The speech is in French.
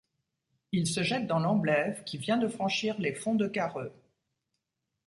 Il se jette dans l'Amblève qui vient de franchir les Fonds de Quareux.